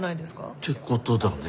ってことだね。